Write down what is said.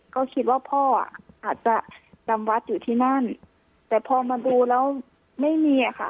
ก็คิดว่าพ่ออ่ะอาจจะจำวัดอยู่ที่นั่นแต่พอมาดูแล้วไม่มีอ่ะค่ะ